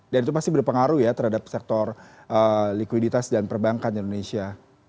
dan itu pasti berpengaruh ya terhadap sektor likuiditas dan perbankan di indonesia